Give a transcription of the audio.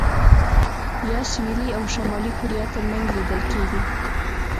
یا سوېلي او شمالي کوریا ترمنځ لیدل کېږي.